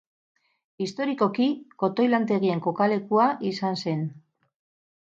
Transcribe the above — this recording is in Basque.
Historikoki, kotoi lantegien kokalekua izan zen.